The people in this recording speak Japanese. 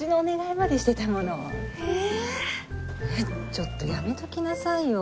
ちょっとやめときなさいよ。